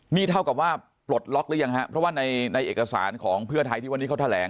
นี่เท่ากับว่าปลดล็อกหรือยังฮะเพราะว่าในเอกสารของเพื่อไทยที่วันนี้เขาแถลง